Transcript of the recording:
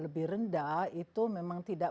lebih rendah itu memang tidak